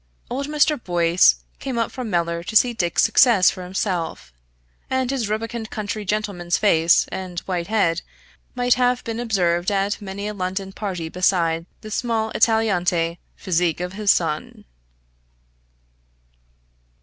Old Mr. Boyce came up from Mellor to see Dick's success for himself, and his rubicund country gentleman's face and white head might have been observed at many a London party beside the small Italianate physique of his son.